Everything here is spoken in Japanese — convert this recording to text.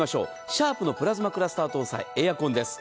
シャープのプラズマクラスター搭載エアコンです。